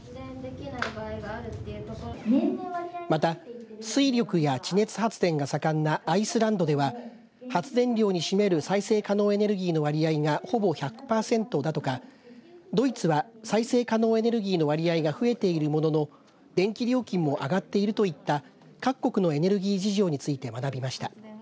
また、水力や地熱発電が盛んなアイスランドでは発電量に占める再生可能エネルギーの割合がほぼ１００パーセントだとかドイツは、再生可能エネルギーの割合が増えているものの電気料金も上がっているといった各国のエネルギー事情について学びました。